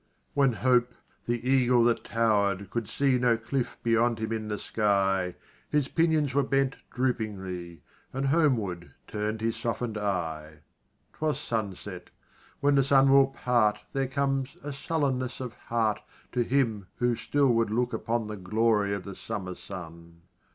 When Hope, the eagle that tower'd, could see No cliff beyond him in the sky, His pinions were bent droopingly And homeward turn'd his soften'd eye. 'Twas sunset: when the sun will part There comes a sullenness of heart To him who still would look upon The glory of the summer sun.